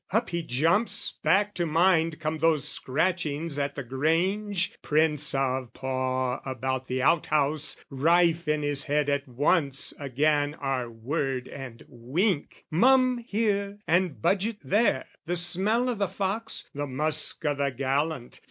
Up he jumps. Back to mind come those scratchings at the grange, Prints of the paw about the outhouse; rife In his head at once again are word and wink, Mum here and budget there, the smell o' the fox, The musk o' the gallant.